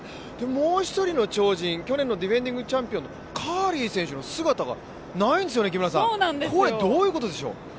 もう１人の超人、去年のディフェンディングチャンピオンのカーリー選手の姿がないんですよね、どういうことでしょう。